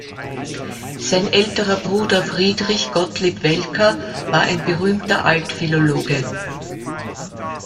Sein älterer Bruder Friedrich Gottlieb Welcker war ein berühmter Altphilologe.